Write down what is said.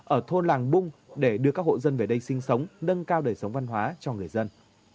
ở thôn làng bung để đưa các hộ dân về đây sinh sống nâng cao đời sống văn hóa cho người dân